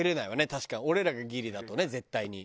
確かに俺らがギリだとね絶対に。